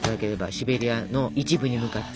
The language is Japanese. シベリアの一部に向かって。